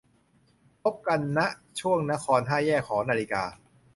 พบกัน ณ ข่วงนคร ห้าแยกหอนาฬิกา